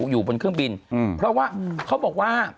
อยู่บนเครื่องบินเพราะว่าเขาบอกว่า